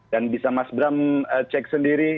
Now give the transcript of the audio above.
dan bisa mas bram cek sendiri